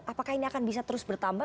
apakah ini akan bisa terus bertambah